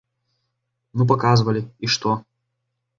Ну паказвалі, і што?